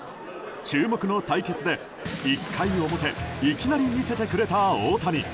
注目の対決で、１回表いきなり見せてくれた大谷。